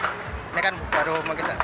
ini kan baru mengisahkan